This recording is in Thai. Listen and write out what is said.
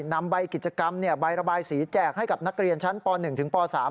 นำใบกิจกรรมใบระบายสีแจกให้กับนักเรียนชั้นป๑ถึงป๓